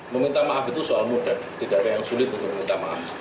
meminta maaf itu soal mudah tidak ada yang sulit untuk meminta maaf